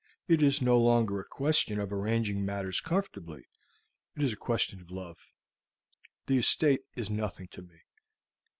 It is no longer a question of arranging matters comfortably: it is a question of love. The estate is nothing to me.